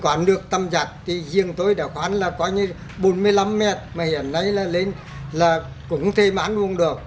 còn nước tăm giặt thì riêng tôi đã khoảng là bốn mươi năm mét mà hiện nay là cũng không thể mà ăn uống được